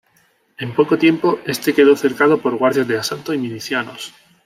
En poco tiempo, este quedó cercado por guardias de Asalto y milicianos.